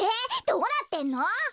どうなってんの？